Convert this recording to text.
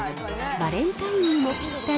バレンタインにもぴったり。